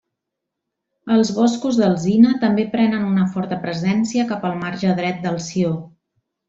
Els boscos d'alzina també prenen una forta presència cap al marge dret del Sió.